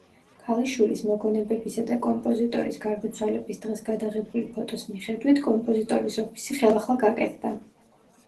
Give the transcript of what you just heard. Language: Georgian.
ქალიშვილის მოგონებებისა და კომპოზიტორის გარდაცვალების დღეს გადაღებული ფოტოს მიხედვით, კომპოზიტორის ოფისი ხელახლა გაკეთდა.